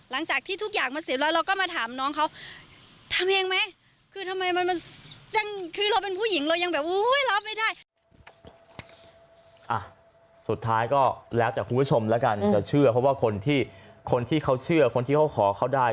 แล้วแต่คุณผู้ชมแล้วกันจะเชื่อเพราะว่าคนที่เขาเชื่อคนที่เขาขอเขาได้